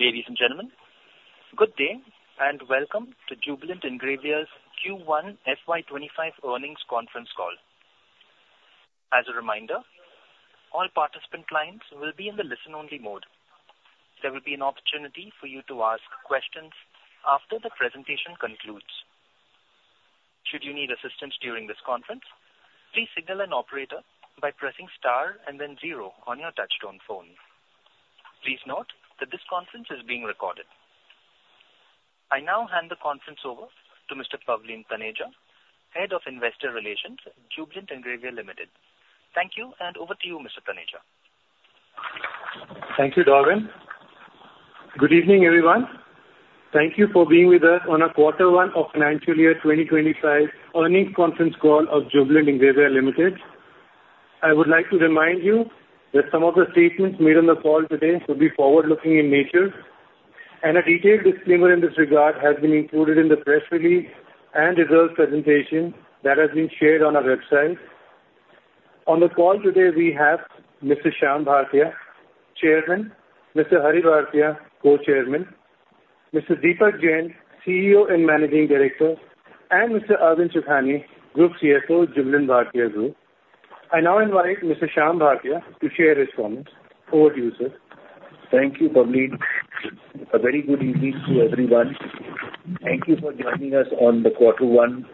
Ladies and gentlemen, good day, and welcome to Jubilant Ingrevia's Q1 FY 25 earnings conference call. As a reminder, all participant lines will be in the listen-only mode. There will be an opportunity for you to ask questions after the presentation concludes. Should you need assistance during this conference, please signal an operator by pressing star and then zero on your touchtone phone. Please note that this conference is being recorded. I now hand the conference over to Mr. Pavleen Taneja, Head of Investor Relations, Jubilant Ingrevia Limited. Thank you, and over to you, Mr. Taneja. Thank you, Darwin. Good evening, everyone. Thank you for being with us on our Quarter 1 of Financial Year 2025 earnings conference call of Jubilant Ingrevia Limited. I would like to remind you that some of the statements made on the call today will be forward-looking in nature, and a detailed disclaimer in this regard has been included in the press release and results presentation that has been shared on our website. On the call today, we have Mr. Shyam S. Bhartia, Chairman, Mr. Hari S. Bhartia, Co-Chairman, Mr. Deepak Jain, CEO and Managing Director, and Mr. Arvind Chokhany, Group CSO, Jubilant Bhartia Group. I now invite Mr. Shyam S. Bhartia to share his comments. Over to you, sir. Thank you, Pavleen. A very good evening to everyone. Thank you for joining us on the Quarter One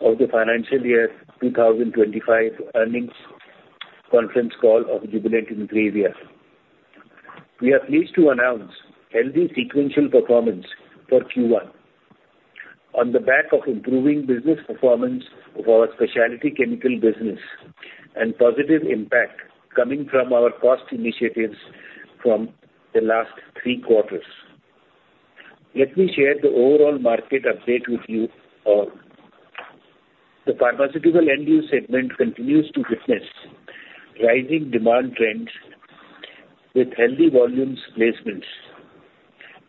of the Financial Year 2025 earnings conference call of Jubilant Ingrevia. We are pleased to announce healthy sequential performance for Q1 on the back of improving business performance of our specialty chemical business and positive impact coming from our cost initiatives from the last three quarters. Let me share the overall market update with you all. The pharmaceutical end-use segment continues to witness rising demand trends with healthy volumes placements.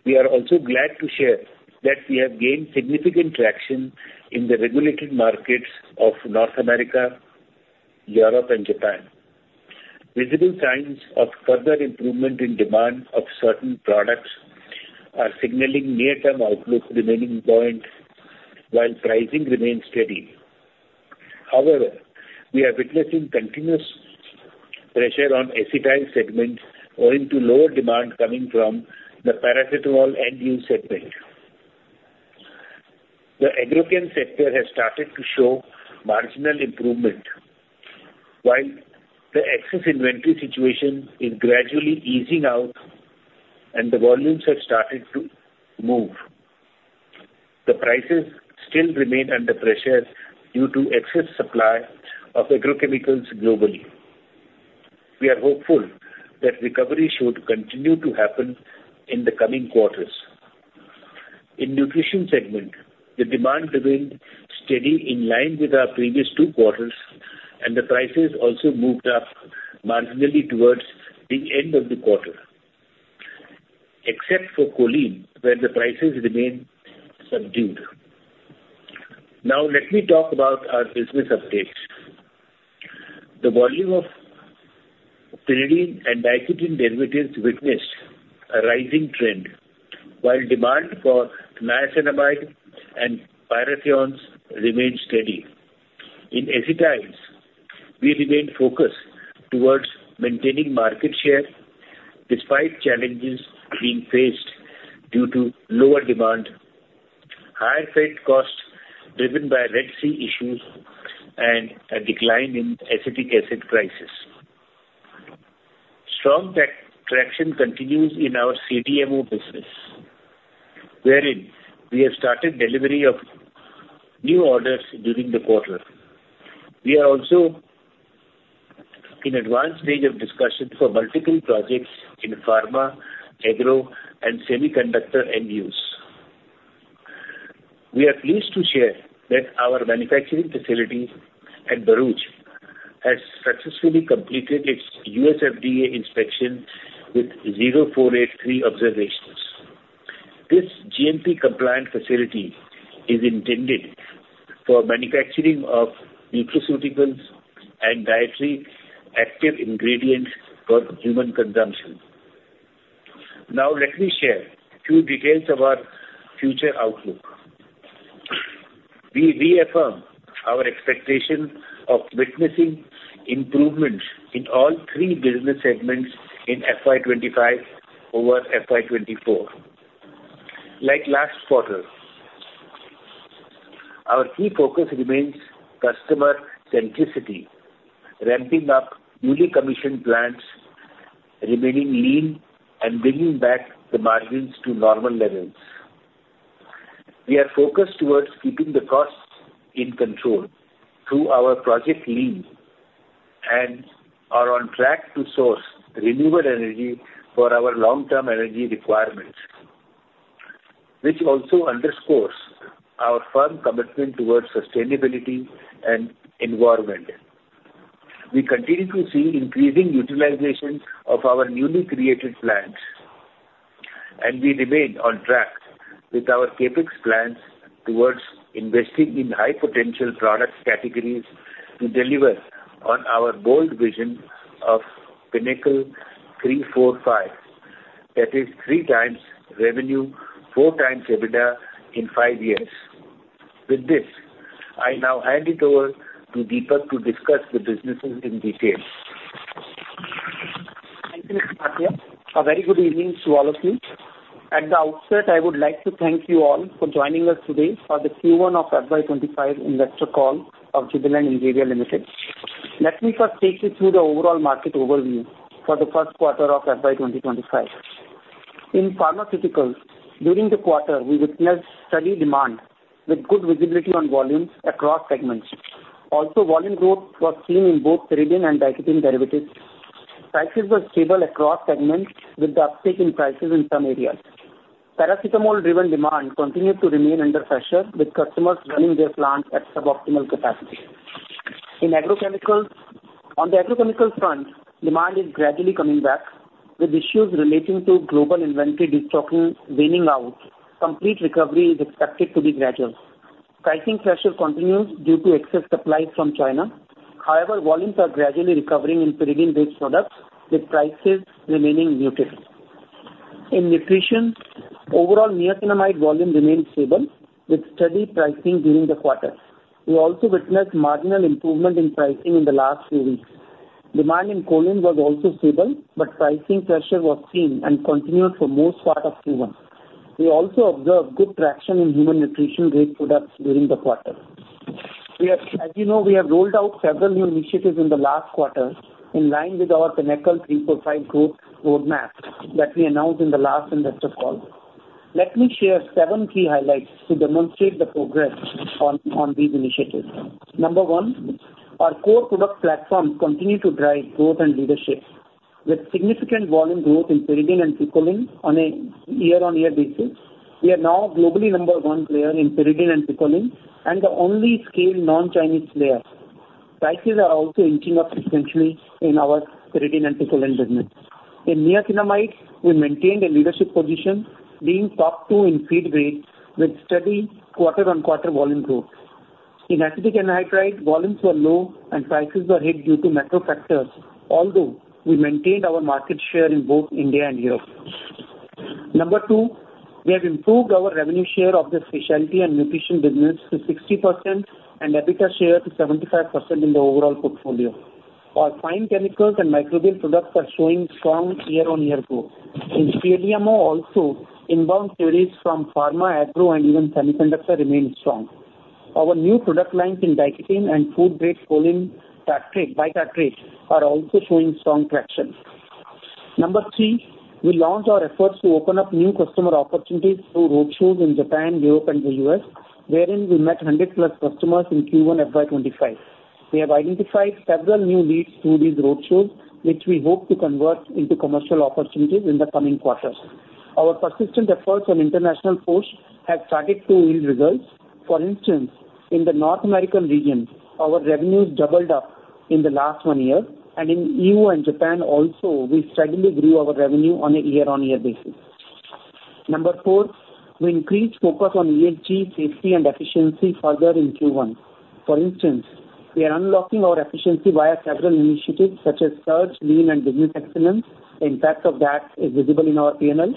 We are also glad to share that we have gained significant traction in the regulated markets of North America, Europe, and Japan. Visible signs of further improvement in demand of certain products are signaling near-term outlook remaining positive, while pricing remains steady. However, we are witnessing continuous pressure on Acetyls segment owing to lower demand coming from the Paracetamol end-use segment. The agrochem sector has started to show marginal improvement. While the excess inventory situation is gradually easing out and the volumes have started to move, the prices still remain under pressure due to excess supply of agrochemicals globally. We are hopeful that recovery should continue to happen in the coming quarters. In Nutrition segment, the demand remained steady in line with our previous two quarters, and the prices also moved up marginally towards the end of the quarter, except for Choline, where the prices remained subdued. Now, let me talk about our business updates. The volume of Pyridine and Nicotine Derivatives witnessed a rising trend, while demand for Niacinamide and pyrithiones remained steady. In Acetyls, we remained focused towards maintaining market share despite challenges being faced due to lower demand, higher freight costs driven by Red Sea issues, and a decline in acetic acid prices. Strong traction continues in our CDMO business, wherein we have started delivery of new orders during the quarter. We are also in advanced stage of discussions for multiple projects in pharma, agro, and semiconductor end use. We are pleased to share that our manufacturing facility at Bharuch has successfully completed its USFDA inspection with zero 483 observations. This GMP-compliant facility is intended for manufacturing of nutraceuticals and dietary active ingredients for human consumption. Now, let me share few details of our future outlook. We reaffirm our expectation of witnessing improvements in all three business segments in FY 2025 over FY 2024. Like last quarter, our key focus remains customer centricity, ramping up newly commissioned plants, remaining lean, and bringing back the margins to normal levels. We are focused towards keeping the costs in control through our Project LEAP, and are on track to source renewable energy for our long-term energy requirements, which also underscores our firm commitment towards sustainability and environment. We continue to see increasing utilization of our newly created plants. We remain on track with our CapEx plans towards investing in high potential product categories to deliver on our bold vision of Pinnacle 3-4-5. That is 3x revenue, 4x EBITDA in 5 years. With this, I now hand it over to Deepak to discuss the businesses in detail. Thank you, Mr. Bhartia. A very good evening to all of you. At the outset, I would like to thank you all for joining us today for the Q1 of FY 25 investor call of Jubilant Ingrevia Limited. Let me first take you through the overall market overview for the first quarter of FY 2025. In pharmaceuticals, during the quarter, we witnessed steady demand with good visibility on volumes across segments. Also, volume growth was seen in both pyridine and diketene derivatives. Prices were stable across segments, with the uptick in prices in some areas. Paracetamol-driven demand continued to remain under pressure, with customers running their plants at suboptimal capacity. In agrochemicals. On the agrochemicals front, demand is gradually coming back, with issues relating to global inventory de-stocking waning out. Complete recovery is expected to be gradual. Pricing pressure continues due to excess supply from China. However, volumes are gradually recovering in Pyridine-based products, with prices remaining muted. In nutrition, overall, Niacinamide volume remained stable, with steady pricing during the quarter. We also witnessed marginal improvement in pricing in the last few weeks. Demand in Choline was also stable, but pricing pressure was seen and continued for most part of Q1. We also observed good traction in human nutrition-grade products during the quarter. As you know, we have rolled out several new initiatives in the last quarter, in line with our Pinnacle 3-4-5 growth roadmap that we announced in the last investor call. Let me share 7 key highlights to demonstrate the progress on these initiatives. Number 1, our core product platforms continue to drive growth and leadership, with significant volume growth in Pyridine and Picoline on a year-on-year basis. We are now globally number one player in Pyridine and Picoline, and the only scaled non-Chinese player. Prices are also inching up substantially in our Pyridine and Picoline business. In Niacinamide, we maintained a leadership position, being top two in feed grade, with steady quarter-on-quarter volume growth. In Acetic Anhydride, volumes were low and prices were hit due to macro factors, although we maintained our market share in both India and Europe. Number two, we have improved our revenue share of the specialty and nutrition business to 60% and EBITDA share to 75% in the overall portfolio. Our fine chemicals and microbial products are showing strong year-on-year growth. In CDMO also, inbound queries from pharma, agro, and even semiconductor remain strong. Our new product lines in Diketene and food-grade Choline Bitartrate are also showing strong traction. Number three, we launched our efforts to open up new customer opportunities through roadshows in Japan, Europe and the US, wherein we met 100-plus customers in Q1 FY25. We have identified several new leads through these roadshows, which we hope to convert into commercial opportunities in the coming quarters. Our persistent efforts on international push have started to yield results. For instance, in the North American region, our revenues doubled up in the last 1 year, and in EU and Japan also, we steadily grew our revenue on a year-on-year basis. Number four, we increased focus on EHS, safety, and efficiency further in Q1. For instance, we are unlocking our efficiency via several initiatives such as Surge, Lean and Business Excellence. The impact of that is visible in our P&L.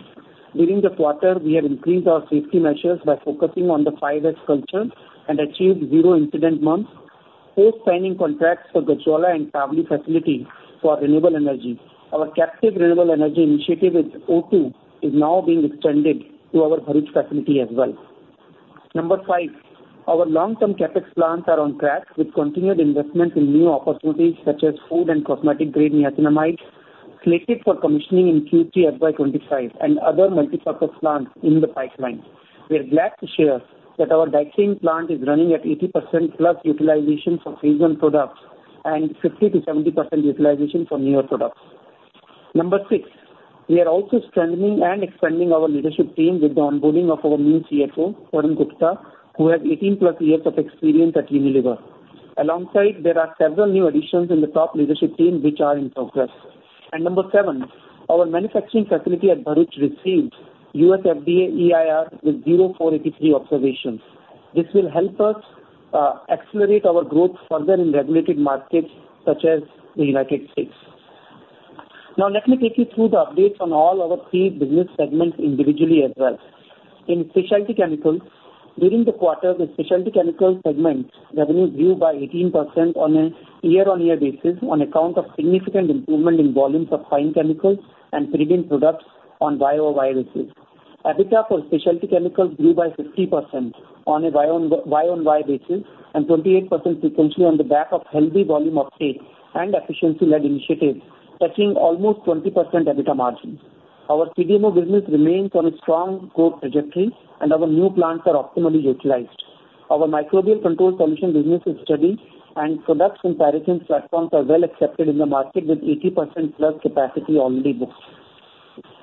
During the quarter, we have increased our safety measures by focusing on the 5S culture and achieved zero incident months, post signing contracts for Gajraula and Savli facility for renewable energy. Our captive renewable energy initiative with O2 is now being extended to our Bharuch facility as well. Number five, our long-term CapEx plans are on track, with continued investment in new opportunities such as food and cosmetic grade niacinamide, slated for commissioning in Q3 FY2025, and other multi-purpose plants in the pipeline. We are glad to share that our Diketene plant is running at 80%+ utilization for season products and 50%-70% utilization for newer products. Number six, we are also strengthening and expanding our leadership team with the onboarding of our new CFO, Varun Gupta, who has 18+ years of experience at Unilever. Alongside, there are several new additions in the top leadership team, which are in progress. And number 7, our manufacturing facility at Bharuch received USFDA EIR with zero 483 observations. This will help us accelerate our growth further in regulated markets such as the United States. Now, let me take you through the updates on all our three business segments individually as well. In Specialty Chemicals, during the quarter, the Specialty Chemicals segment revenues grew by 18% on a year-on-year basis on account of significant improvement in volumes of fine chemicals and pyridine products on YOY basis. EBITDA for Specialty Chemicals grew by 50% on a year-on-year basis, and 28% sequentially on the back of healthy volume uptake and efficiency-led initiatives, touching almost 20% EBITDA margins. Our CDMO business remains on a strong growth trajectory, and our new plants are optimally utilized. Our microbial control solution business is steady, and products comparison platforms are well accepted in the market, with 80%+ capacity already booked.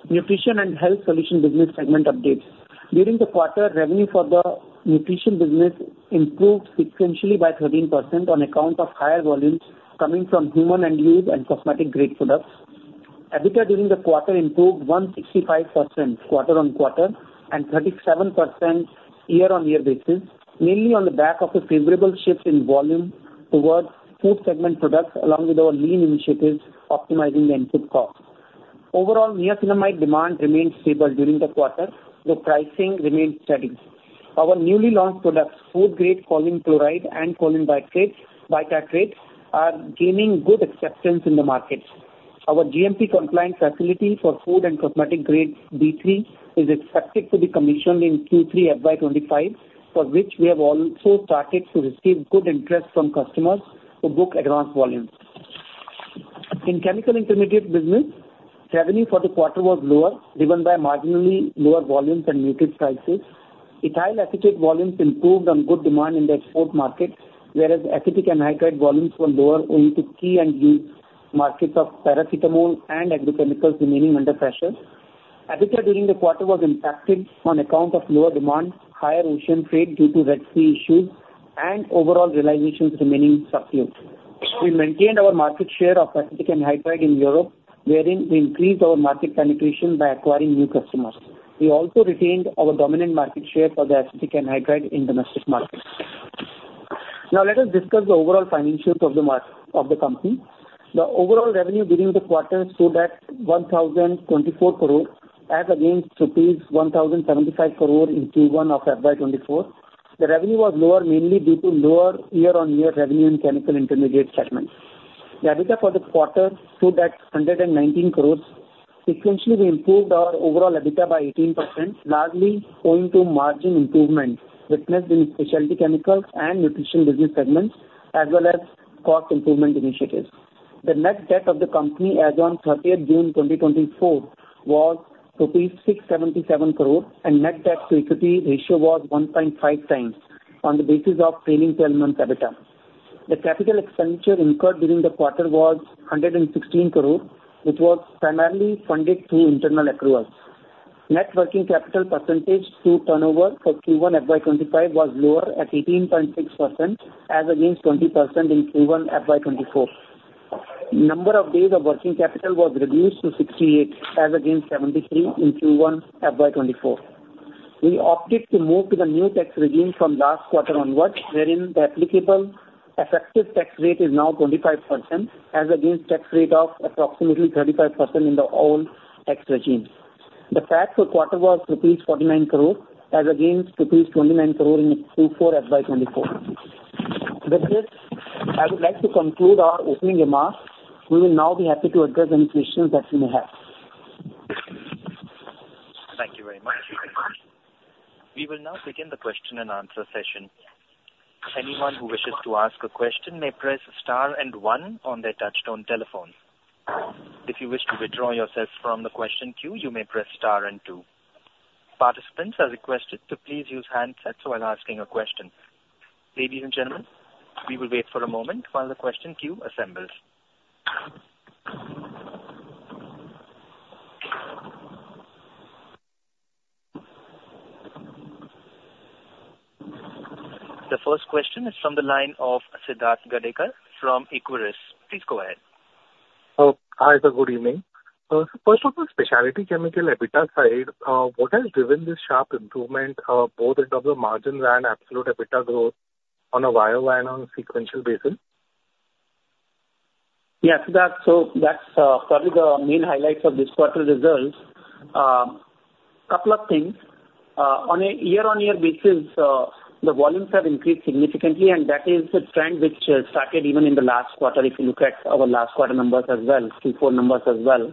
Nutrition and Health Solution business segment update. During the quarter, revenue for the nutrition business improved sequentially by 13% on account of higher volumes coming from human and food and cosmetic grade products. EBITDA during the quarter improved 165% quarter-on-quarter and 37% year-on-year basis, mainly on the back of the favorable shifts in volume towards food segment products, along with our lean initiatives optimizing the input cost. Overall, niacinamide demand remained stable during the quarter. The pricing remained steady. Our newly launched products, food grade choline chloride and choline bitartrate, are gaining good acceptance in the markets. Our GMP compliance facility for food and cosmetic grade D3 is expected to be commissioned in Q3 FY25, for which we have also started to receive good interest from customers to book advance volumes. In chemical intermediate business, revenue for the quarter was lower, driven by marginally lower volumes and muted prices. Ethyl Acetate volumes improved on good demand in the export markets, whereas Acetic Anhydride volumes were lower, owing to key end use markets of Paracetamol and Agrochemicals remaining under pressure. EBITDA during the quarter was impacted on account of lower demand, higher ocean freight due to Red Sea issues, and overall realizations remaining subdued. We maintained our market share of Acetic Anhydride in Europe, wherein we increased our market penetration by acquiring new customers. We also retained our dominant market share for the Acetic Anhydride in domestic markets. Now, let us discuss the overall financials of the company. The overall revenue during the quarter stood at 1,024 crore, as against rupees 1,075 crore in Q1 of FY 2024. The revenue was lower, mainly due to lower year-on-year revenue in chemical intermediate segment. The EBITDA for the quarter stood at 119 crore. Sequentially, we improved our overall EBITDA by 18%, largely owing to margin improvements witnessed in specialty chemicals and nutrition business segments, as well as cost improvement initiatives. The net debt of the company as on 30th June 2024 was rupees 677 crore, and net debt to equity ratio was 1.5 times on the basis of trailing twelve-month EBITDA. The capital expenditure incurred during the quarter was 116 crore, which was primarily funded through internal accruals. Net working capital percentage to turnover for Q1 FY 2025 was lower at 18.6%, as against 20% in Q1 FY 2024. Number of days of working capital was reduced to 68, as against 73 in Q1 FY 2024. We opted to move to the new tax regime from last quarter onwards, wherein the applicable effective tax rate is now 25%, as against tax rate of approximately 35% in the old tax regime. The tax for quarter was rupees 49 crore, as against rupees 29 crore in Q4 FY 2024. With this, I would like to conclude our opening remarks. We will now be happy to address any questions that you may have. Thank you very much. We will now begin the question and answer session. Anyone who wishes to ask a question may press star and one on their touchtone telephone. If you wish to withdraw yourself from the question queue, you may press star and two. Participants are requested to please use handsets while asking a question. Ladies and gentlemen, we will wait for a moment while the question queue assembles. The first question is from the line of Siddharth Gadekar from Equirus. Please go ahead. Hi, sir. Good evening. First of all, specialty chemical EBITDA side, what has driven this sharp improvement, both in terms of margins and absolute EBITDA growth on a YOY and on a sequential basis? Yes, that's so. That's probably the main highlights of this quarter results. Couple of things, on a year-on-year basis, the volumes have increased significantly, and that is a trend which started even in the last quarter, if you look at our last quarter numbers as well, Q4 numbers as well.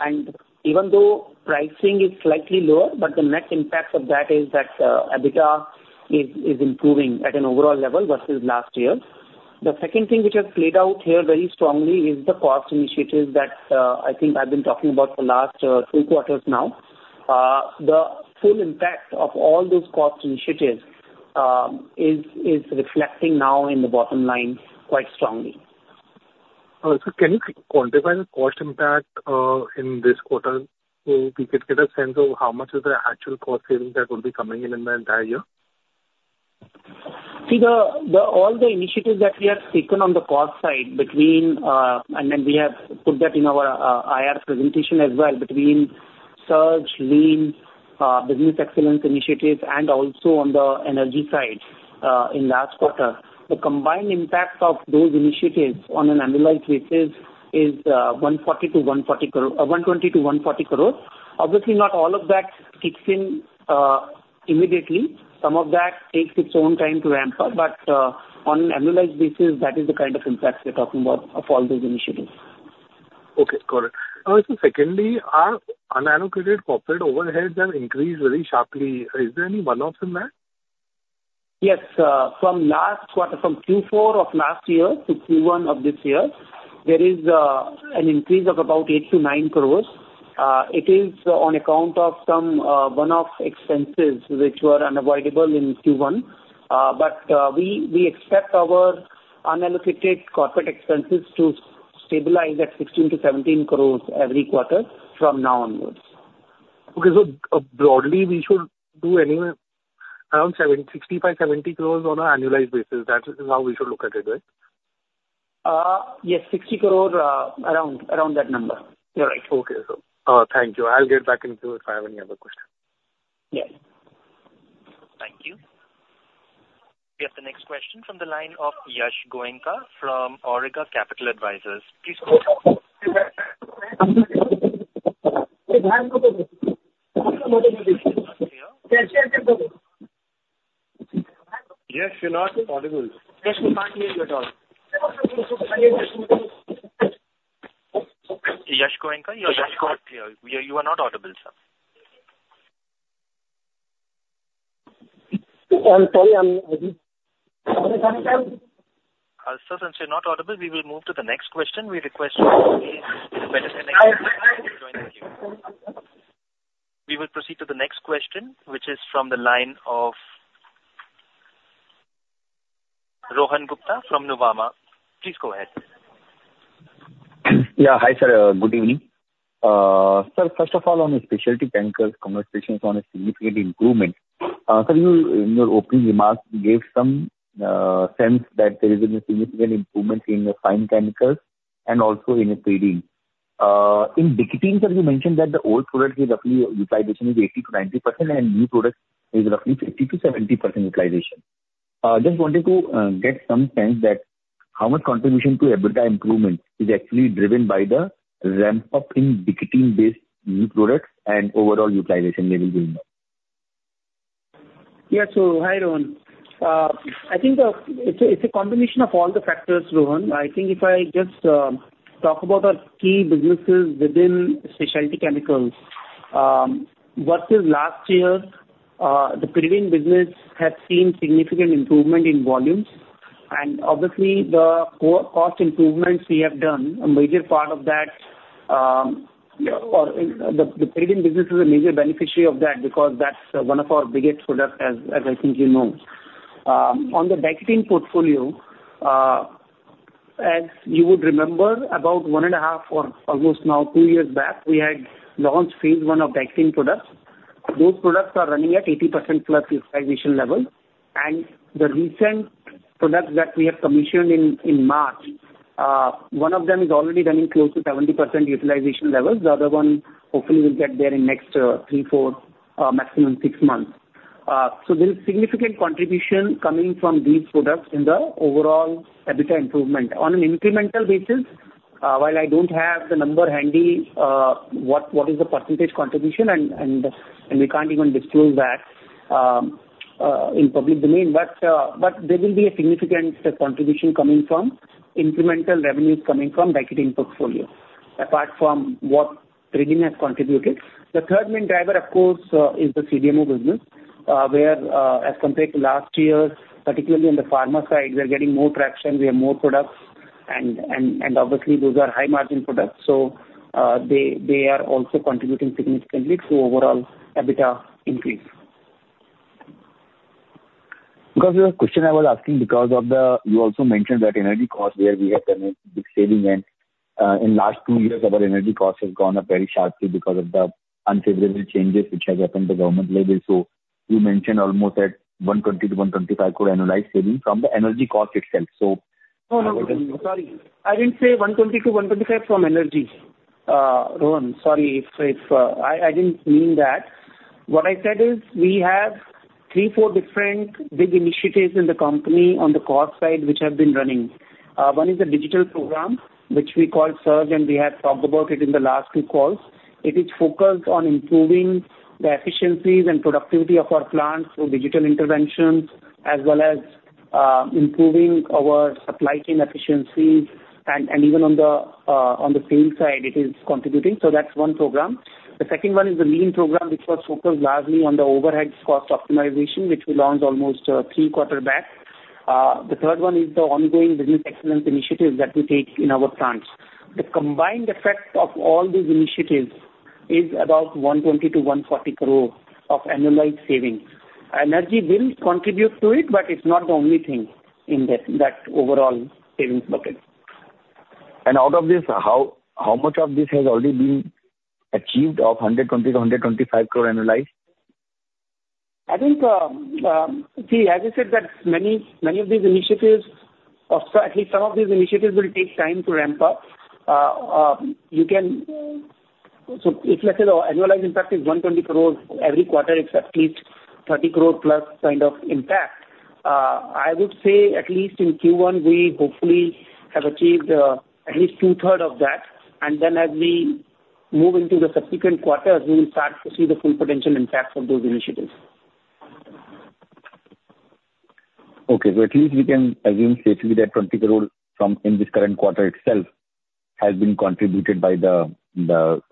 And even though pricing is slightly lower, but the net impact of that is that EBITDA is improving at an overall level versus last year. The second thing which has played out here very strongly is the cost initiatives that I think I've been talking about for last three quarters now. The full impact of all those cost initiatives is reflecting now in the bottom line quite strongly. Sir, can you quantify the cost impact in this quarter, so we could get a sense of how much is the actual cost savings that would be coming in in the entire year? See, all the initiatives that we have taken on the cost side between, and then we have put that in our IR presentation as well, between Surge, Lean, business excellence initiatives, and also on the energy side, in last quarter. The combined impact of those initiatives on an annualized basis is 140 crore to 140 crore, 120 crore to 140 crore. Obviously, not all of that kicks in immediately. Some of that takes its own time to ramp up, but on an annualized basis, that is the kind of impacts we're talking about of all those initiatives. Okay, got it. So secondly, our unallocated corporate overheads have increased very sharply. Is there any one-off in that? Yes, from last quarter, from Q4 of last year to Q1 of this year, there is an increase of about 8-9 crores. It is on account of some one-off expenses which were unavoidable in Q1. But we expect our unallocated corporate expenses to stabilize at 16-17 crores every quarter from now onwards. Okay, so, broadly, we should do anywhere around 70, 65, 70 crores on an annualized basis, that is how we should look at it, right? Yes, 60 crore, around, around that number. You're right. Okay, so, thank you. I'll get back into if I have any other question. Yes. Thank you. We have the next question from the line of Yash Goenka from Auriga Capital Advisors. Please go- Yash, you're not audible. Yes, we can't hear you at all. Yash Goenka, you're still not clear. You are not audible, sir. I'm sorry. Sir, since you're not audible, we will move to the next question. We request you to please, with a better connection, join. Thank you. We will proceed to the next question, which is from the line of Rohan Gupta from Nuvama. Please go ahead. Yeah. Hi, sir. Good evening. Sir, first of all, on the specialty chemicals, conversation is on a significant improvement. Sir, you in your opening remarks gave some sense that there has been a significant improvement in the fine chemicals and also in the trading. In Picolines, sir, you mentioned that the old product is roughly utilization is 80%-90%, and new product is roughly 50%-70% utilization. Just wanted to get some sense that how much contribution to EBITDA improvement is actually driven by the ramp-up in Picolines-based new products and overall utilization levels in them? Yeah, so hi, Rohan. I think, it's a combination of all the factors, Rohan. I think if I just talk about our key businesses within specialty chemicals, what is last year, the trading business has seen significant improvement in volumes, and obviously, the cost improvements we have done, a major part of that, or the trading business is a major beneficiary of that because that's one of our biggest products as I think you know. On the pyridine portfolio, as you would remember, about 1.5 or almost now 2 years back, we had launched phase one of pyridine products. Those products are running at 80%+ utilization level, and the recent products that we have commissioned in March, one of them is already running close to 70% utilization levels. The other one, hopefully, will get there in next 3, 4, maximum 6 months. So there is significant contribution coming from these products in the overall EBITDA improvement. On an incremental basis, while I don't have the number handy, what is the percentage contribution and we can't even disclose that in public domain. But there will be a significant contribution coming from incremental revenues coming from Vitamin portfolio, apart from what trading has contributed. The third main driver, of course, is the CDMO business, where, as compared to last year, particularly on the pharma side, we are getting more traction, we have more products, and obviously, those are high-margin products, so they are also contributing significantly to overall EBITDA increase. Because the question I was asking, because of the... You also mentioned that energy costs, where we have done a big saving and, in last two years, our energy costs have gone up very sharply because of the unfavorable changes which has happened at the government level. So you mentioned almost at 120 crore-125 crore annualized saving from the energy cost itself, so- No, no, sorry. I didn't say 120-125 from energy. Rohan, sorry, if I didn't mean that. What I said is, we have 3, 4 different big initiatives in the company on the cost side, which have been running. One is a digital program, which we call Surge, and we have talked about it in the last few calls. It is focused on improving the efficiencies and productivity of our plants through digital interventions, as well as improving our supply chain efficiencies. And even on the sales side, it is contributing. So that's one program. The second one is the Lean program, which was focused largely on the overheads cost optimization, which we launched almost 3 quarters back. The third one is the ongoing business excellence initiative that we take in our plants. The combined effect of all these initiatives is about 120 crore-140 crore of annualized savings. Energy did contribute to it, but it's not the only thing in that overall savings bucket. Out of this, how much of this has already been achieved of 120-125 crore annualized? I think, as I said that many, many of these initiatives, or at least some of these initiatives, will take time to ramp up. So if I say the annualized impact is 120 crore, every quarter it's at least 30 crore plus kind of impact. I would say at least in Q1, we hopefully have achieved at least two third of that. And then as we move into the subsequent quarters, we will start to see the full potential impact of those initiatives. Okay. So at least we can assume safely that 20 crore from in this current quarter itself has been contributed by the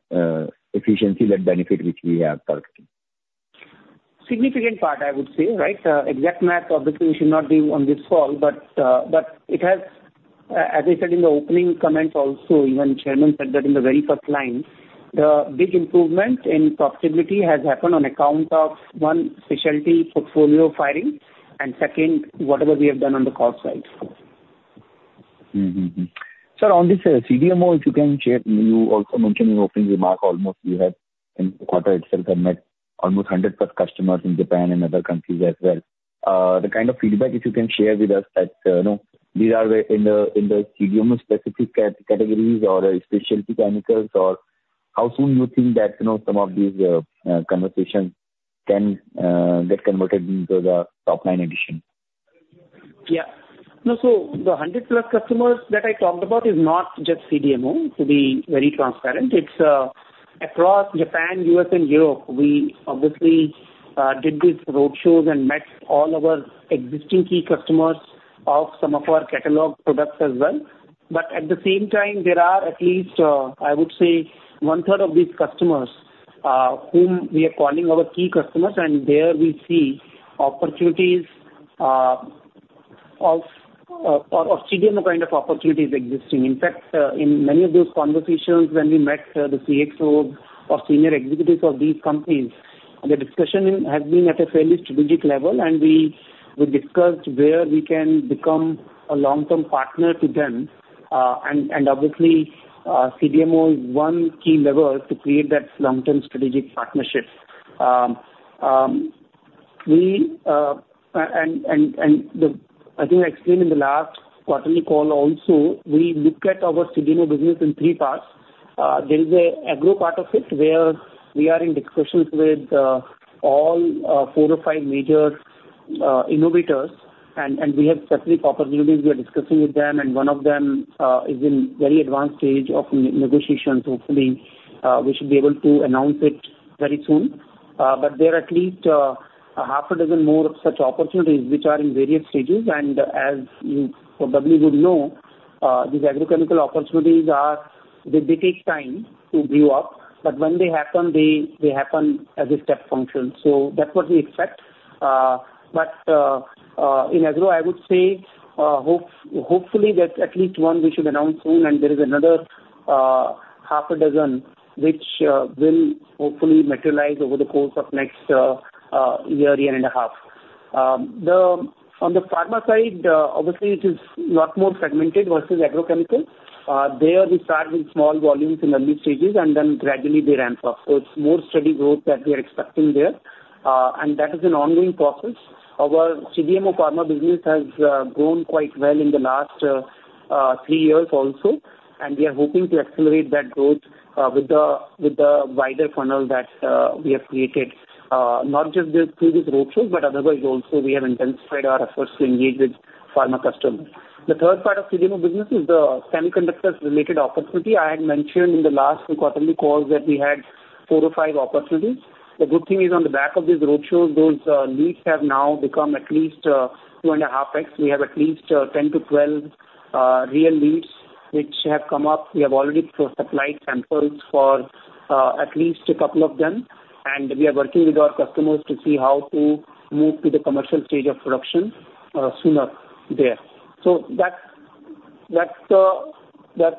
efficiency and benefit which we have talked. Significant part, I would say, right? Exact math, obviously, we should not be on this call. But, but it has, as I said in the opening comments also, even chairman said that in the very first line... The big improvement in profitability has happened on account of, one, specialty portfolio firing, and second, whatever we have done on the cost side. Sir, on this CDMO, if you can share, you also mentioned in opening remark, almost you have in the quarter itself, have met almost 100 plus customers in Japan and other countries as well. The kind of feedback if you can share with us that, you know, these are the CDMO specific categories or specialty chemicals, or how soon you think that, you know, some of these conversations can get converted into the top-line addition? Yeah. No, so the 100+ customers that I talked about is not just CDMO, to be very transparent. It's across Japan, U.S., and Europe. We obviously did these roadshows and met all our existing key customers of some of our catalog products as well. But at the same time, there are at least, I would say, one third of these customers whom we are calling our key customers, and there we see opportunities of CDMO kind of opportunities existing. In fact, in many of those conversations, when we met the CXOs or senior executives of these companies, the discussion has been at a fairly strategic level, and we discussed where we can become a long-term partner to them. And obviously CDMO is one key lever to create that long-term strategic partnership. I think I explained in the last quarterly call also, we look at our CDMO business in three parts. There is an agro part of it, where we are in discussions with all four or five major innovators, and we have several opportunities we are discussing with them. And one of them is in very advanced stage of negotiation. Hopefully, we should be able to announce it very soon. But there are at least a half a dozen more of such opportunities which are in various stages. And as you probably would know, these agrochemical opportunities are... They take time to brew up, but when they happen, they happen as a step function. So that's what we expect. But in agro, I would say, hopefully, that at least one we should announce soon, and there is another half a dozen, which will hopefully materialize over the course of next year, year and a half. On the pharma side, obviously it is a lot more fragmented versus agrochemicals. There we start with small volumes in early stages, and then gradually they ramp up. So it's more steady growth that we are expecting there, and that is an ongoing process. Our CDMO pharma business has grown quite well in the last three years also, and we are hoping to accelerate that growth, with the wider funnel that we have created. Not just through these roadshows, but otherwise also we have intensified our efforts to engage with pharma customers. The third part of CDMO business is the semiconductors-related opportunity. I had mentioned in the last quarterly calls that we had 4 or 5 opportunities. The good thing is, on the back of these roadshows, those leads have now become at least 2.5x. We have at least 10-12 real leads which have come up. We have already provided samples for at least a couple of them, and we are working with our customers to see how to move to the commercial stage of production sooner there. So that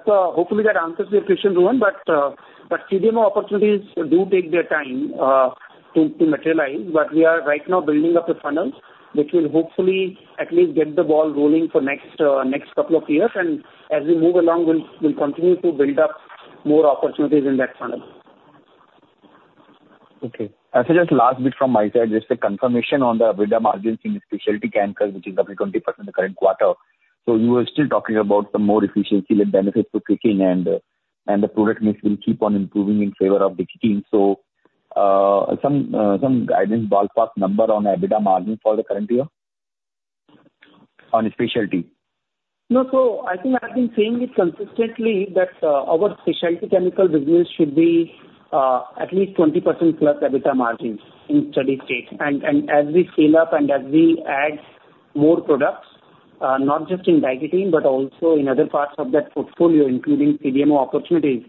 hopefully that answers your question, Rohan. But CDMO opportunities do take their time to materialize. But we are right now building up a funnel, which will hopefully at least get the ball rolling for next couple of years. As we move along, we'll continue to build up more opportunities in that funnel. Okay. I suggest last bit from my side, just a confirmation on the EBITDA margins in the specialty chemicals, which is up by 20% in the current quarter. So you are still talking about some more efficiency and benefits to kick in, and, and the product mix will keep on improving in favor of Diketene. So, some, some guidance, ballpark number on EBITDA margin for the current year on specialty? No. So I think I've been saying it consistently, that, our specialty chemical business should be, at least 20% plus EBITDA margins in steady state. And, and as we scale up and as we add more products, not just in Diketene, but also in other parts of that portfolio, including CDMO opportunities,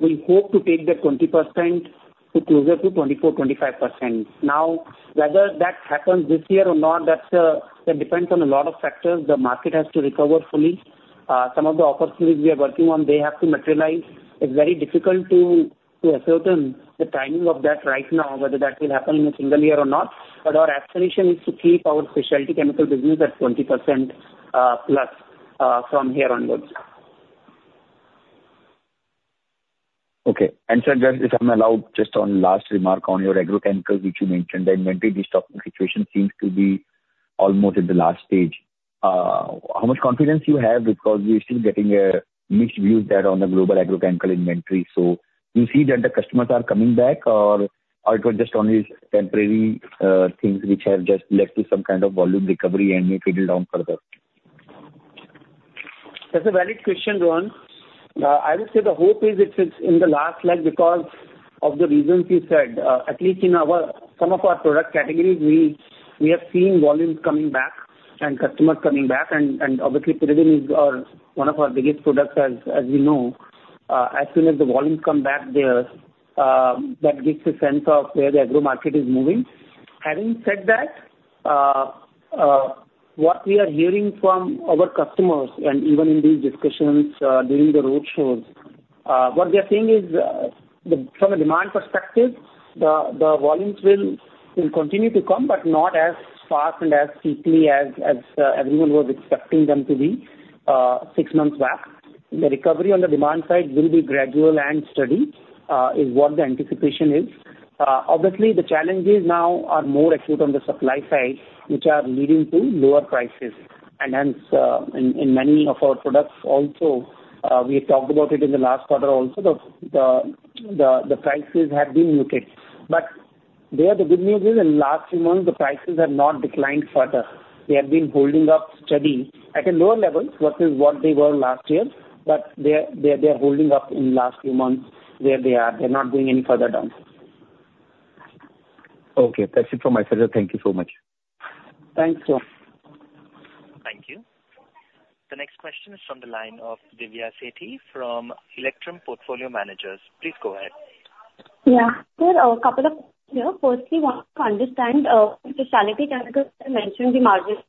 we hope to take that 20% to closer to 24, 25%. Now, whether that happens this year or not, that, that depends on a lot of factors. The market has to recover fully. Some of the opportunities we are working on, they have to materialize. It's very difficult to, to ascertain the timing of that right now, whether that will happen in a single year or not. But our aspiration is to keep our specialty chemical business at 20%, plus, from here onwards. Okay. And, sir, just if I'm allowed, just one last remark on your agrochemicals, which you mentioned. The inventory de-stocking situation seems to be almost at the last stage. How much confidence do you have? Because we're still getting a mixed view there on the global agrochemical inventory. So do you see that the customers are coming back, or, or it was just only temporary things which have just led to some kind of volume recovery and may fade down further? That's a valid question, Rohan. I would say the hope is it's in the last leg because of the reasons you said. At least in our, some of our product categories, we have seen volumes coming back and customers coming back. And obviously, Pyridine is our, one of our biggest products, as we know. As soon as the volumes come back there, that gives a sense of where the agro market is moving... Having said that, what we are hearing from our customers and even in these discussions, during the roadshows, what they are saying is, that from a demand perspective, the volumes will continue to come, but not as fast and as quickly as everyone was expecting them to be, six months back. The recovery on the demand side will be gradual and steady, is what the anticipation is. Obviously, the challenges now are more acute on the supply side, which are leading to lower prices. Hence, in many of our products also, we talked about it in the last quarter also, the prices have been muted. But, the good news is in last few months, the prices have not declined further. They have been holding up steady at a lower level versus what they were last year, but they are holding up in last few months where they are. They're not going any further down. Okay, that's it from my side. Thank you so much. Thanks, John. Thank you. The next question is from the line of Divya Sethi from Electrum Portfolio Managers. Please go ahead. Yeah. Sir, a couple of, you know, firstly, want to understand, specialty chemicals, you mentioned the margins,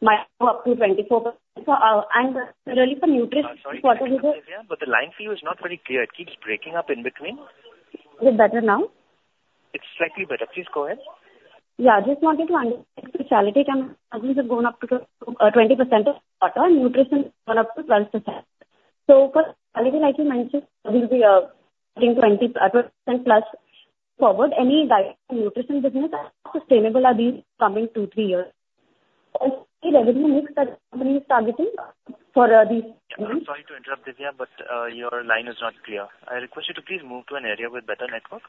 might go up to 24%. So, and really for nutrition- Sorry, Divya, but the line for you is not very clear. It keeps breaking up in between. Is it better now? It's slightly better. Please go ahead. Yeah, just wanted to understand specialty chemicals have gone up to 20% of nutrition gone up to 12%. So but like you mentioned, will be getting 20%+ forward, any guidance on nutrition business and sustainable are these coming two, three years? And any revenue mix that the company is targeting for the- I'm sorry to interrupt, Divya, but your line is not clear. I request you to please move to an area with better network.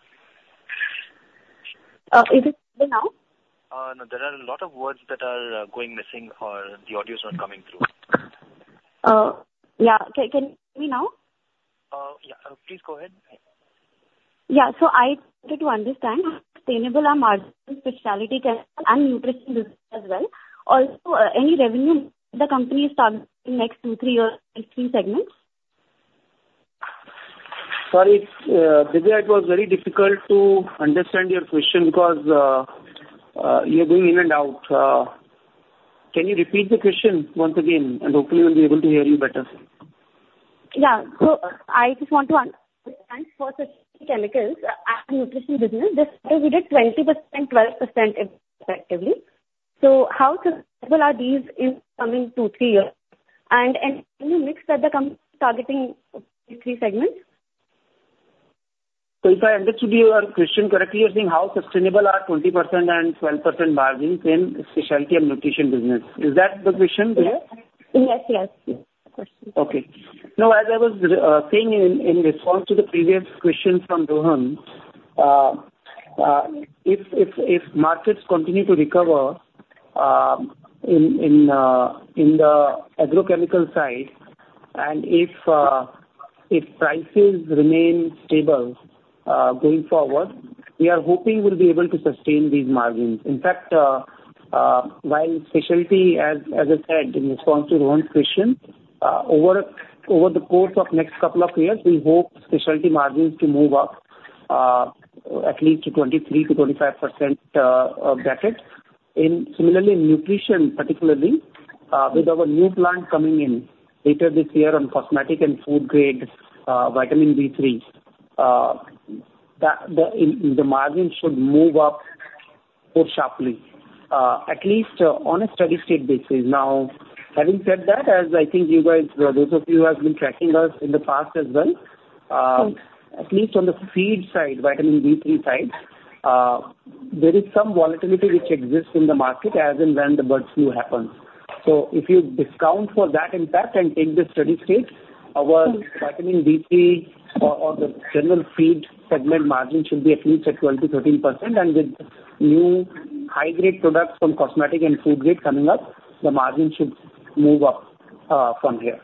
Is it better now? No, there are a lot of words that are going missing or the audio is not coming through. Yeah. Can you hear me now? Yeah. Please go ahead. Yeah. I wanted to understand how sustainable are margins in specialty chemical and nutrition business as well? Also, any revenue the company is targeting in next two, three years in these segments? Sorry, Divya, it was very difficult to understand your question because you're going in and out. Can you repeat the question once again? Hopefully we'll be able to hear you better. Yeah. So I just want to ask, for specialty chemicals and nutrition business, this quarter we did 20%, 12% effectively. So how sustainable are these in coming 2, 3 years? And any mix that the company is targeting for these 3 segments? If I understood your question correctly, you're saying how sustainable are 20% and 12% margins in specialty and nutrition business. Is that the question, Divya? Yes. Yes, yes. Of course. Okay. Now, as I was saying in response to the previous question from Rohan, if markets continue to recover in the agrochemical side, and if prices remain stable going forward, we are hoping we'll be able to sustain these margins. In fact, while specialty, as I said in response to Rohan's question, over the course of next couple of years, we hope specialty margins to move up at least to 23%-25% bracket. Similarly, in nutrition, particularly with our new plant coming in later this year on cosmetic and food grade vitamin B3, the margins should move up more sharply at least on a steady state basis. Now, having said that, as I think you guys, those of you who have been tracking us in the past as well, at least on the feed side, Vitamin B3 side, there is some volatility which exists in the market as and when the bird flu happens. So if you discount for that impact and take the steady state, our Vitamin B3 or, or the general feed segment margin should be at least at 12%-13%. And with new high-grade products from cosmetic and food grade coming up, the margin should move up, from here.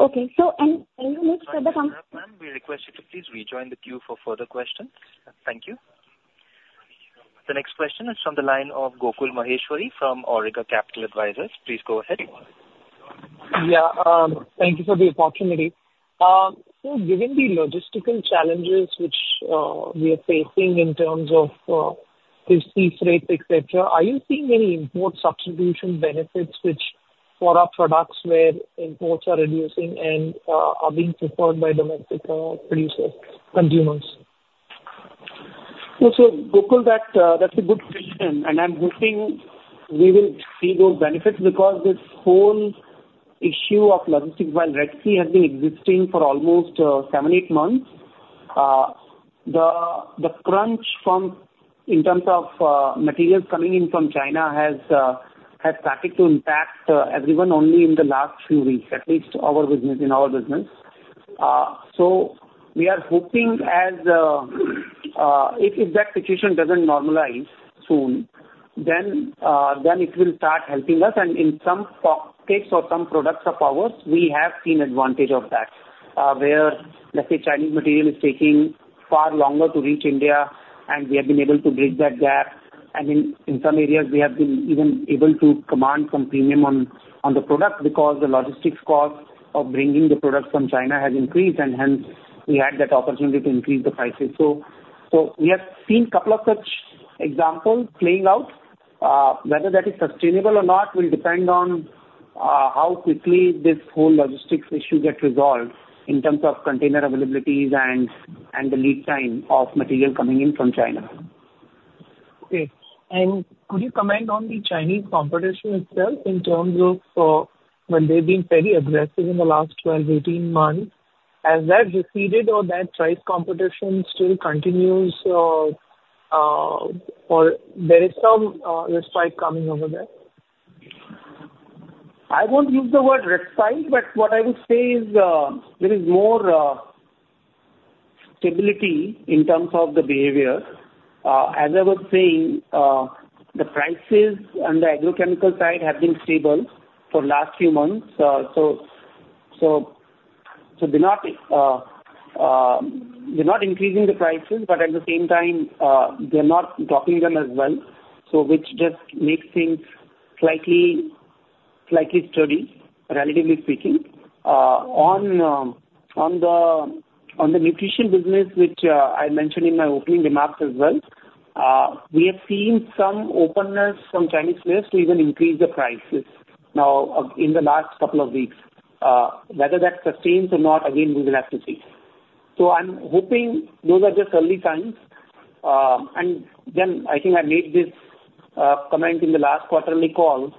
Okay. So any mix that the company- Ma'am, we request you to please rejoin the queue for further questions. Thank you. The next question is from the line of from Auriga Capital Advisors. Please go ahead. Yeah, thank you for the opportunity. So given the logistical challenges which we are facing in terms of this sea rate, et cetera, are you seeing any import substitution benefits which for our products where imports are reducing and are being preferred by domestic producers, consumers? So, Gokul, that's a good question, and I'm hoping we will see those benefits because this whole issue of logistics while Red Sea has been existing for almost 7-8 months, the crunch from in terms of materials coming in from China has started to impact everyone only in the last few weeks, at least our business, in our business. So we are hoping as if that situation doesn't normalize soon, then it will start helping us. And in some cases or some products of ours, we have seen advantage of that, where, let's say, Chinese material is taking far longer to reach India, and we have been able to bridge that gap. In some areas, we have been even able to command some premium on the product because the logistics cost of bringing the product from China has increased, and hence we had that opportunity to increase the prices. So we have seen couple of such examples playing out. Whether that is sustainable or not will depend on how quickly this whole logistics issue gets resolved in terms of container availabilities and the lead time of material coming in from China. Okay. And could you comment on the Chinese competition itself in terms of, well, they've been very aggressive in the last 12-18 months. Has that receded or that price competition still continues, or there is some respite coming over there? I won't use the word respite, but what I would say is, there is more stability in terms of the behavior. As I was saying, the prices on the agrochemical side have been stable for last few months. So, they're not increasing the prices, but at the same time, they're not dropping them as well. So which just makes things slightly sturdy, relatively speaking. On the nutrition business, which I mentioned in my opening remarks as well, we have seen some openness from Chinese players to even increase the prices now, in the last couple of weeks. Whether that sustains or not, again, we will have to see. So I'm hoping those are just early signs. And then I think I made this comment in the last quarterly call.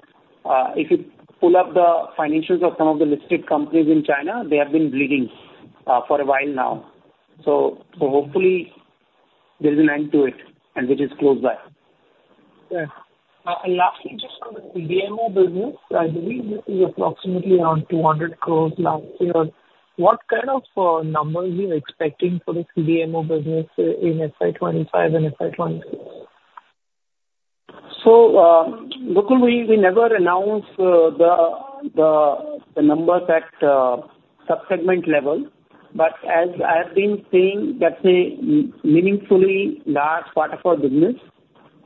If you pull up the financials of some of the listed companies in China, they have been bleeding for a while now. So, hopefully there is an end to it and which is close by. Yeah. And lastly, just on the CDMO business, I believe this is approximately around 200 crore last year. What kind of numbers are you expecting for the CDMO business in FY 2025 and FY 2026? So, look, we never announce the numbers at sub-segment level. But as I have been saying, that's a meaningfully large part of our business.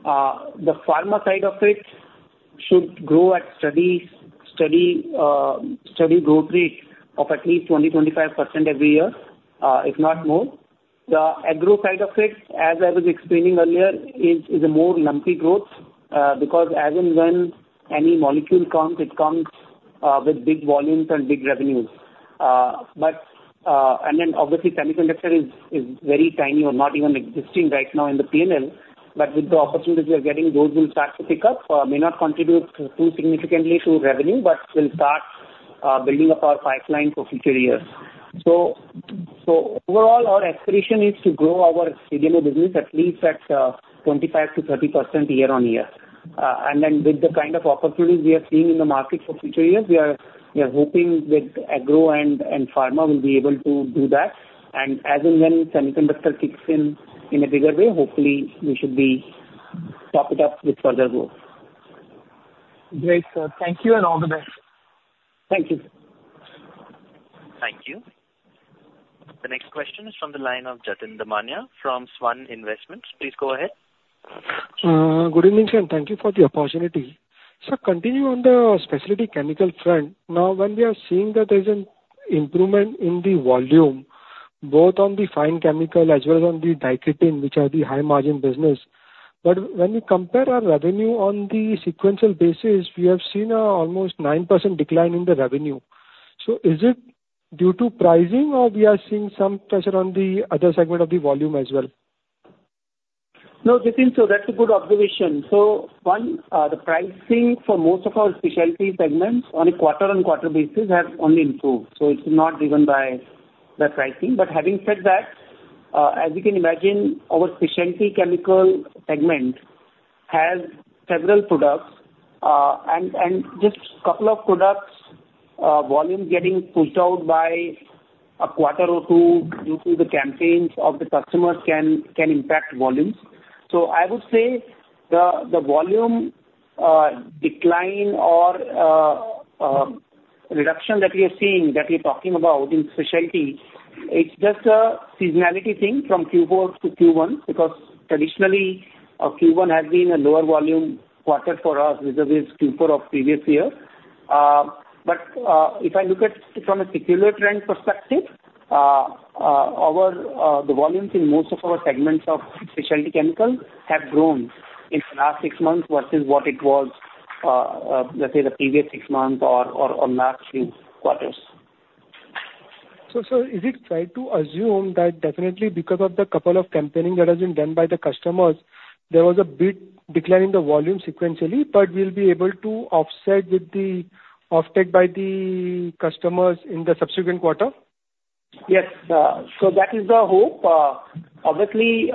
The pharma side of it should grow at steady growth rate of at least 20-25% every year, if not more. The agro side of it, as I was explaining earlier, is a more lumpy growth, because as and when any molecule comes, it comes with big volumes and big revenues. But and then obviously semiconductor is very tiny or not even existing right now in the PNL. But with the opportunities we are getting, those will start to pick up. May not contribute too significantly to revenue, but will start building up our pipeline for future years. So overall, our aspiration is to grow our CDMO business at least at 25%-30% year-on-year. And then with the kind of opportunities we are seeing in the market for future years, we are hoping that agro and pharma will be able to do that. And as and when semiconductor kicks in in a bigger way, hopefully we should be top it up with further growth. Great, sir. Thank you and all the best. Thank you. Thank you. The next question is from the line of Jatin Damania from Svan Investment. Please go ahead. Good evening, sir, and thank you for the opportunity. Sir, continue on the specialty chemical front. Now, when we are seeing that there's an improvement in the volume, both on the fine chemical as well as on the Diketene, which are the high margin business. But when we compare our revenue on the sequential basis, we have seen an almost 9% decline in the revenue. So is it due to pricing, or we are seeing some pressure on the other segment of the volume as well? No, Jatin, so that's a good observation. So one, the pricing for most of our specialty segments on a quarter-on-quarter basis have only improved, so it's not driven by the pricing. But having said that, as you can imagine, our specialty chemical segment has several products, and just a couple of products, volume getting pushed out by a quarter or two due to the campaigns of the customers can impact volumes. So I would say the volume decline or reduction that we are seeing, that we're talking about in specialty, it's just a seasonality thing from Q4 to Q1, because traditionally, Q1 has been a lower volume quarter for us rather than Q4 of previous year. But if I look from a secular trend perspective, the volumes in most of our segments of specialty chemical have grown in the last six months versus what it was, let's say the previous six months or last few quarters. So, sir, is it fair to assume that definitely because of the couple of campaigns that has been done by the customers, there was a big decline in the volume sequentially, but we'll be able to offset with the offtake by the customers in the subsequent quarter? Yes. So that is the hope. Obviously,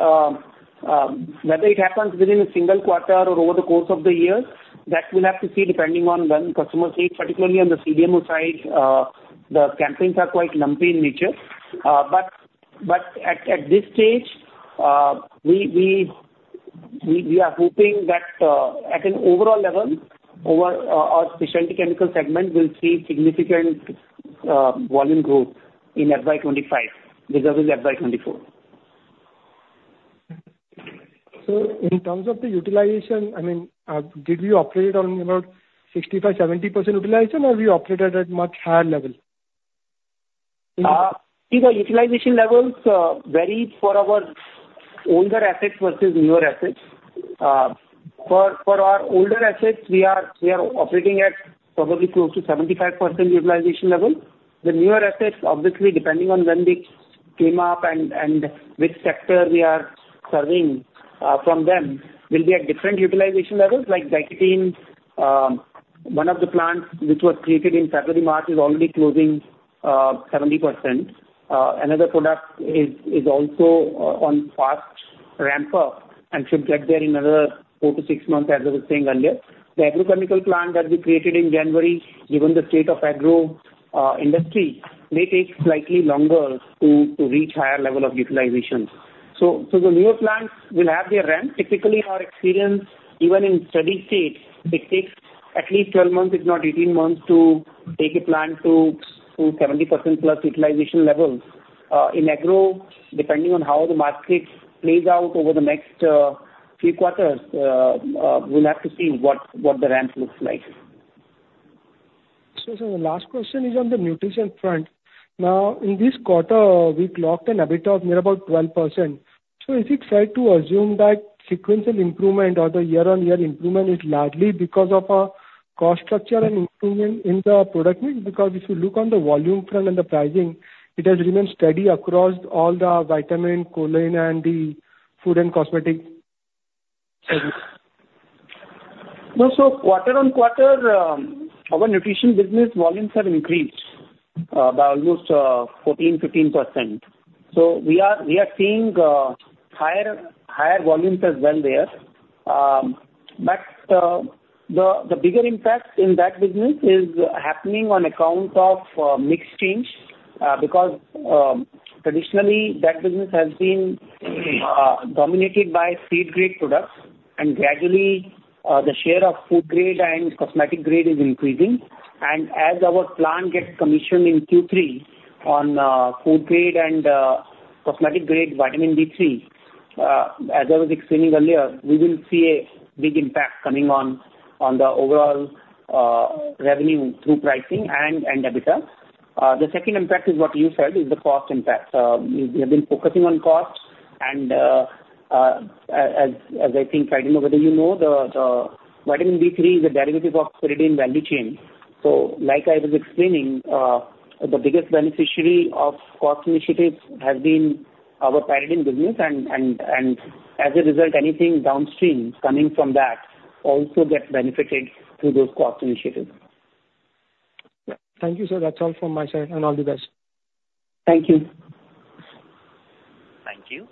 whether it happens within a single quarter or over the course of the year, that we'll have to see, depending on when customers take. Particularly on the CDMO side, the campaigns are quite lumpy in nature. But at this stage, we are hoping that, at an overall level, over our specialty chemical segment will see significant volume growth in FY 25 rather than FY 24. In terms of the utilization, I mean, did we operate on about 65-70% utilization, or we operated at much higher level?... See, the utilization levels vary for our older assets versus newer assets. For our older assets, we are operating at probably close to 75% utilization level. The newer assets, obviously, depending on when they came up and which sector we are serving from them, will be at different utilization levels. Like diketene, one of the plants which was created in February, March, is already closing 70%. Another product is also on fast ramp-up and should get there in another 4-6 months, as I was saying earlier. The agrochemical plant that we created in January, given the state of agro industry, may take slightly longer to reach higher level of utilization. The newer plants will have their ramp. Typically, in our experience, even in steady state, it takes at least 12 months, if not 18 months, to take a plant to 70%+ utilization levels. In agro, depending on how the market plays out over the next few quarters, we'll have to see what the ramp looks like. Sir, the last question is on the nutrition front. Now, in this quarter, we clocked an EBITDA of near about 12%. Is it fair to assume that sequential improvement or the year-on-year improvement is largely because of a cost structure and improvement in the product mix? Because if you look on the volume front and the pricing, it has remained steady across all the vitamin, choline, and the food and cosmetic segments. No, so quarter-on-quarter, our nutrition business volumes have increased by almost 14%-15%. So we are seeing higher volumes as well there. But the bigger impact in that business is happening on account of mix change. Because traditionally, that business has been dominated by feed-grade products, and gradually the share of food-grade and cosmetic-grade is increasing. And as our plant gets commissioned in Q3 on food-grade and cosmetic-grade, Vitamin D3, as I was explaining earlier, we will see a big impact coming on the overall revenue through pricing and EBITDA. The second impact is what you said, is the cost impact. We have been focusing on costs, and as I think, I don't know whether you know the vitamin D3 is a derivative of Pyridine value chain. So like I was explaining, the biggest beneficiary of cost initiatives has been our Pyridine business. And as a result, anything downstream coming from that also gets benefited through those cost initiatives. Thank you, sir. That's all from my side, and all the best. Thank you. Thank you.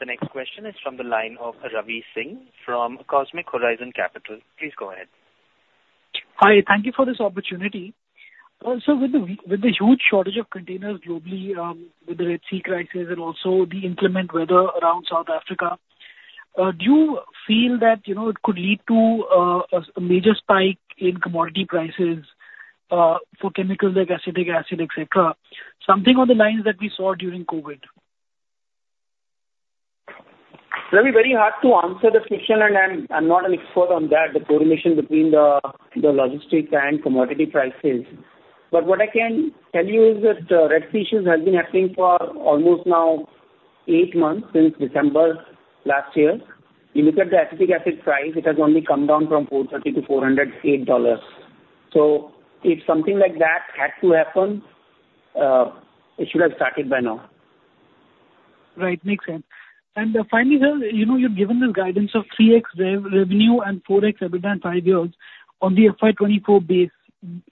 The next question is from the line of Ravi Singh from Cosmic Horizon Capital. Please go ahead. Hi. Thank you for this opportunity. So with the huge shortage of containers globally, with the Red Sea crisis and also the inclement weather around South Africa, do you feel that, you know, it could lead to a major spike in commodity prices for chemicals like acetic acid, et cetera, something on the lines that we saw during COVID? Ravi, very hard to answer this question, and I'm not an expert on that, the correlation between the logistics and commodity prices. But what I can tell you is that Red Sea issues has been happening for almost now 8 months, since December last year. You look at the acetic acid price, it has only come down from $430 to $408. So if something like that had to happen, it should have started by now. Right. Makes sense. And finally, sir, you know, you've given the guidance of 3x revenue and 4x EBITDA in five years on the FY 2024 base.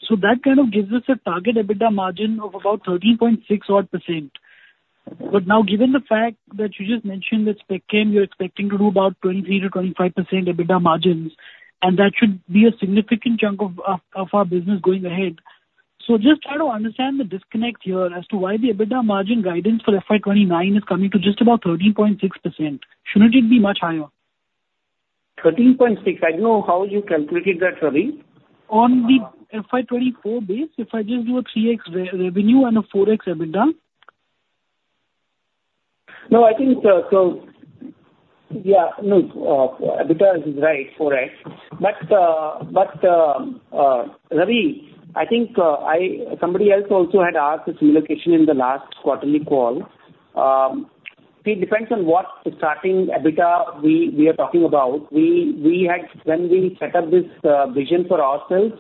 So that kind of gives us a target EBITDA margin of about 13.6 odd%. But now, given the fact that you just mentioned that Spec Chem, you're expecting to do about 23%-25% EBITDA margins, and that should be a significant chunk of our business going ahead. So just try to understand the disconnect here as to why the EBITDA margin guidance for FY 2029 is coming to just about 13.6%. Shouldn't it be much higher? 13.6, I don't know how you calculated that, Ravi. On the FY 2024 base, if I just do a 3x revenue and a 4x EBITDA. No, I think, EBITDA is right, 4x. But, Ravi, I think, somebody else also had asked a similar question in the last quarterly call. It depends on what the starting EBITDA we are talking about. We had—When we set up this vision for ourselves,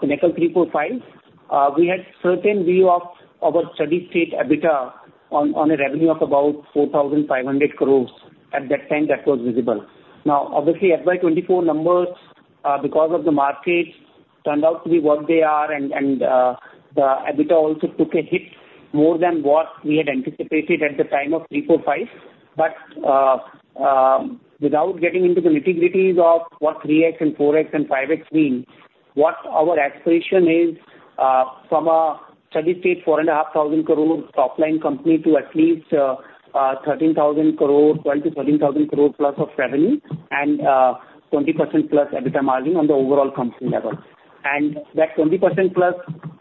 Pinnacle 3-4-5, we had certain view of our steady-state EBITDA on a revenue of about 4,500 crores. At that time, that was visible. Now, obviously, FY 2024 numbers, because of the market, turned out to be what they are, and the EBITDA also took a hit more than what we had anticipated at the time of 3-4-5. But without getting into the nitty-gritties of what 3x and 4x and 5x means, what our aspiration is, from a steady state, 4,500 crore top-line company to at least, 13,000 crore, 12,000-13,000 crore plus of revenue and, 20%+ EBITDA margin on the overall company level. And that 20%+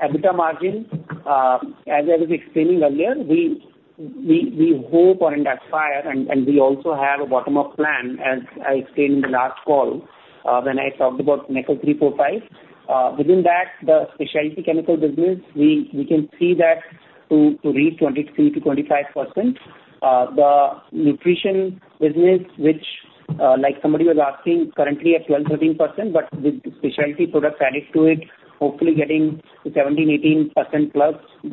EBITDA margin, as I was explaining earlier, we hope and aspire, and we also have a bottom-up plan, as I explained in the last call, when I talked about Pinnacle 3-4-5. Within that, the specialty chemical business, we can see that to reach 23%-25%. The nutrition business, which, like somebody was asking, currently at 12%-13%, but with specialty product added to it, hopefully getting to 17%-18%+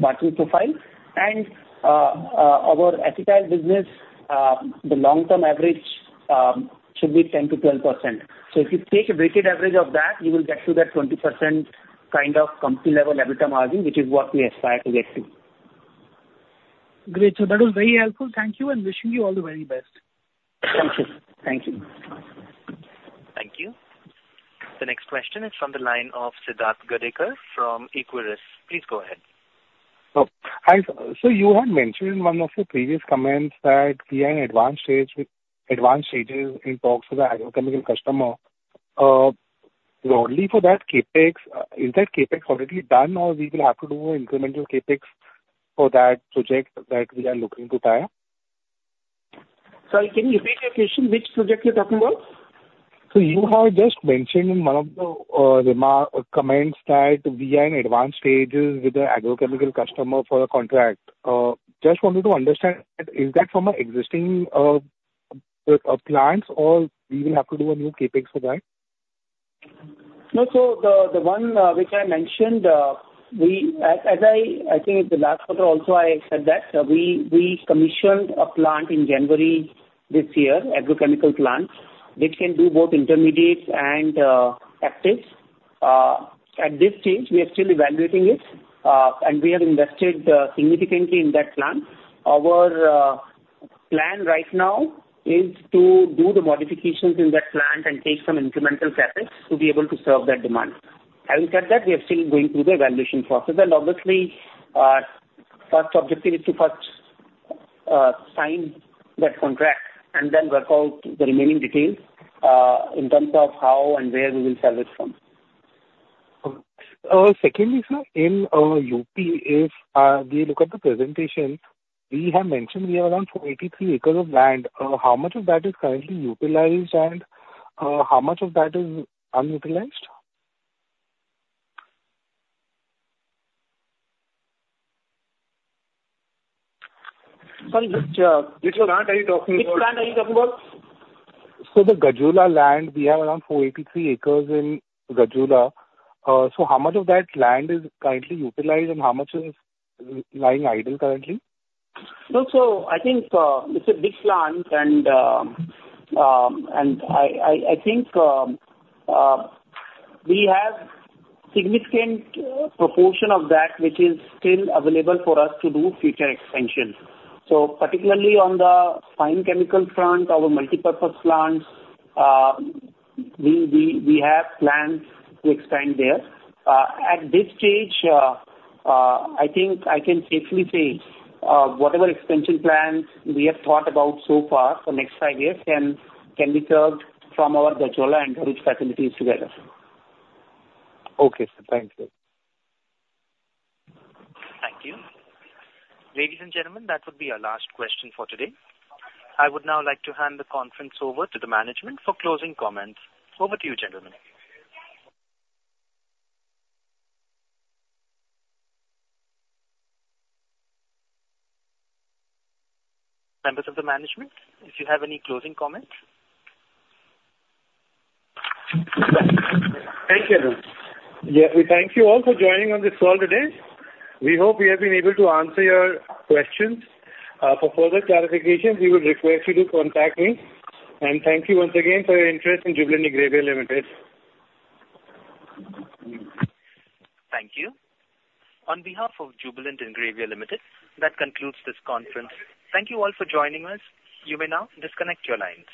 margin profile. And, our agritile business, the long-term average, should be 10%-12%. So if you take a weighted average of that, you will get to that 20% kind of company level EBITDA margin, which is what we aspire to get to. Great. So that was very helpful. Thank you, and wishing you all the very best. Thank you. Thank you. Thank you. The next question is from the line of Siddharth Gadekar from Equirus. Please go ahead. Oh, hi. So you had mentioned in one of your previous comments that we are in advanced stages in talks with the agrochemical customer. Broadly, for that CapEx, is that CapEx already done, or we will have to do incremental CapEx for that project that we are looking to tie up? Sorry, can you repeat your question? Which project you're talking about? So you have just mentioned in one of the, remark, comments, that we are in advanced stages with the agrochemical customer for a contract. Just wanted to understand, is that from an existing, with, plants, or we will have to do a new CapEx for that? No, so the one which I mentioned, we. As I think at the last quarter also, I said that, we commissioned a plant in January this year, agrochemical plant, which can do both intermediates and actives. At this stage, we are still evaluating it, and we have invested significantly in that plant. Our plan right now is to do the modifications in that plant and take some incremental CapEx to be able to serve that demand. Having said that, we are still going through the evaluation process, and obviously, first objective is to first sign that contract and then work out the remaining details, in terms of how and where we will sell it from. Secondly, sir, in UP, if we look at the presentation, we have mentioned we have around 483 acres of land. How much of that is currently utilized, and how much of that is unutilized? Sorry, which, which plant are you talking about? Which plant are you talking about? The Gajraula land, we have around 483 acres in Gajraula. How much of that land is currently utilized, and how much is lying idle currently? No, so I think it's a big plant, and I think we have significant proportion of that, which is still available for us to do future expansion. So particularly on the fine chemical front, our multipurpose plants, we have plans to expand there. At this stage, I think I can safely say whatever expansion plans we have thought about so far for next five years can be served from our Gajraula and Savli facilities together. Okay, sir. Thank you. Thank you. Ladies and gentlemen, that would be our last question for today. I would now like to hand the conference over to the management for closing comments. Over to you, gentlemen. Members of the management, if you have any closing comments? Thank you. Yeah, we thank you all for joining on this call today. We hope we have been able to answer your questions. For further clarifications, we would request you to contact me. Thank you once again for your interest in Jubilant Ingrevia Limited. Thank you. On behalf of Jubilant Ingrevia Limited, that concludes this conference. Thank you all for joining us. You may now disconnect your lines.